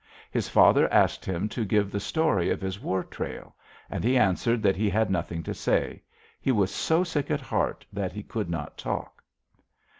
His father asked him to give the story of his war trail, and he answered that he had nothing to say. He was so sick at heart that he could not talk.